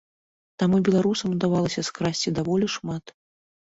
Таму беларусам удавалася скрасці даволі шмат.